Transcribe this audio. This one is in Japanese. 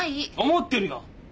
思ってるよ！